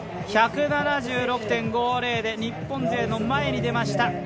１７６．５０で日本勢の前に出ました。